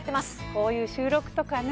こういう収録とかね